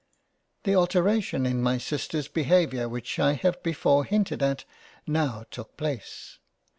The alteration in my Sisters behaviour which I have before hinted at, now took place.